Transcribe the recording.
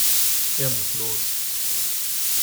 Er muss los.